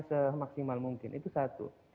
semaksimal mungkin itu satu